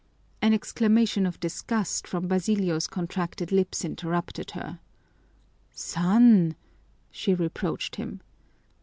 An exclamation of disgust from Basilio's contracted lips interrupted her. "Son!" she reproached him.